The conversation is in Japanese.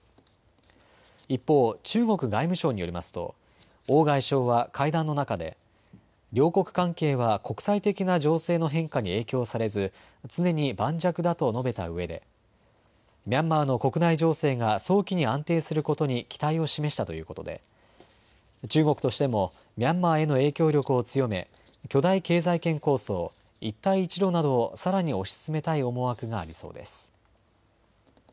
一方、中国外務省によりますと王外相は会談の中で両国関係は国際的な情勢の変化に影響されず常に盤石だと述べたうえでミャンマーの国内情勢が早期に安定することに期待を示したということで中国としてもミャンマーへの影響力を強め巨大経済圏構想一帯一路などをさらに推し進めたい思惑がありそうです。